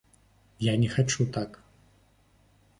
Я не хачу так!